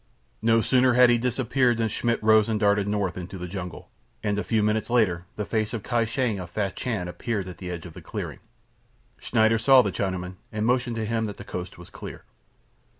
No sooner had he disappeared than Schmidt rose and darted north into the jungle, and a few minutes later the face of Kai Shang of Fachan appeared at the edge of the clearing. Schneider saw the Chinaman, and motioned to him that the coast was clear.